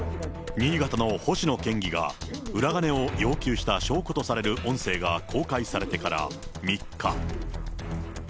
新潟の星野県議が裏金を要求した証拠とされる音声が公開されてから、３日。